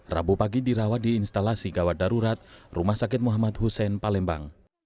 rabu pagi dirawat di instalasi gawat darurat rumah sakit muhammad hussein palembang